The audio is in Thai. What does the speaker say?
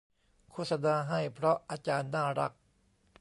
โฆษณาให้เพราะอาจารย์น่ารัก